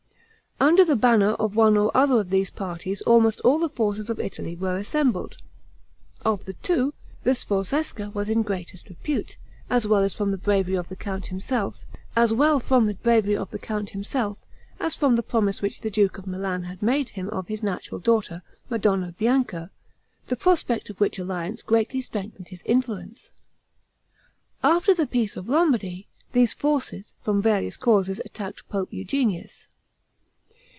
Under the banner of one or other of these parties almost all the forces of Italy were assembled. Of the two, the Sforzesca was in greatest repute, as well from the bravery of the count himself, as from the promise which the duke of Milan had made him of his natural daughter, Madonna Bianca, the prospect of which alliance greatly strengthened his influence. After the peace of Lombardy, these forces, from various causes attacked Pope Eugenius.